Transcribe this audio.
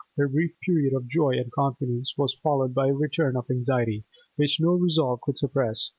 Her brief period of joy and confidence was followed by a return of anxiety, which no resolve could suppress.